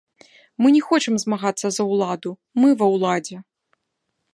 Мы не хочам змагацца за ўладу, мы ва ўладзе.